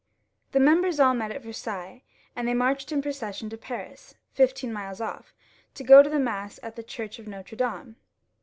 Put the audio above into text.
The members all met at Versailles, and they marched in procession into Paris, fifteen miles off, to go. to mass at the church of N&tre Dame.